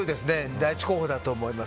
第１候補だと思います。